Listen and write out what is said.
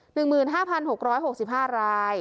หนึ่งหมื่นห้าพันหกร้อยหกสิบห้าราย